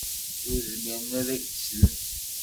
Ur zmiren ad ak-slen.